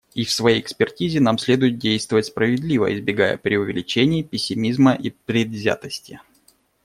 И в своей экспертизе нам следует действовать справедливо, избегая преувеличений, пессимизма и предвзятости.